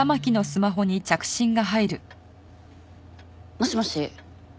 もしもし。